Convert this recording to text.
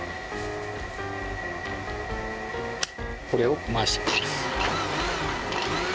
これを回します。